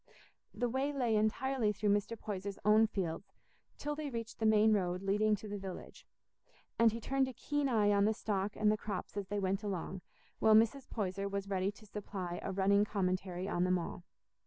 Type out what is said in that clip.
The way lay entirely through Mr. Poyser's own fields till they reached the main road leading to the village, and he turned a keen eye on the stock and the crops as they went along, while Mrs. Poyser was ready to supply a running commentary on them all.